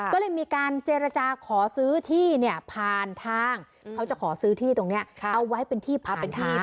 ก็เลยมีการเจรจาขอซื้อที่เนี่ยผ่านทางเขาจะขอซื้อที่ตรงนี้เอาไว้เป็นที่พักเป็นที่